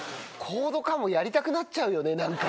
コード・カモやりたくなっちゃうよね、なんか。